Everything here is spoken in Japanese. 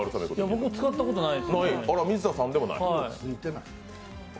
僕は使ったことないですね。